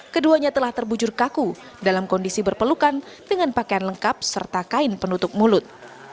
keduanya telah terbujur kaku dalam kondisi berpelukan dengan pakaian lengkap serta kain penutup mulut